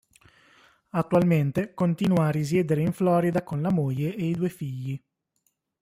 Attualmente continua a risiedere in Florida con la moglie e i due figli.